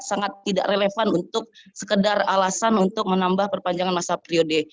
sangat tidak relevan untuk sekedar alasan untuk menambah perpanjangan masa periode